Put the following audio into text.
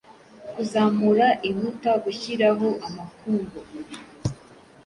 kuzamura inkuta, gushyiraho amakumbo,